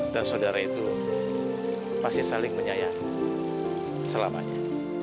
dan saudara itu pasti saling menyayangi selamanya